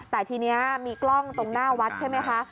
แต่ทีนี้มีกล้องตรงหน้าวัดใช่ไหมคะ